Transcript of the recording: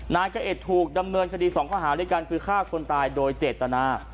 นายกะเอ็ดถูกดำเนินคดีสองข้อหาด้วยกันคือฆ่าคนตายโดยเจตนา